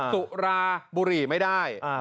สุราบุหรี่ไม่ได้